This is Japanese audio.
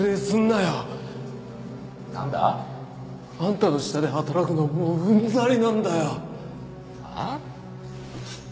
なんだ？あんたの下で働くのはもううんざりなんだよ。ああ？